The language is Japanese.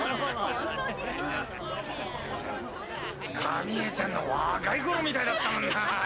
奈美恵ちゃんの若い頃みたいだったんだ。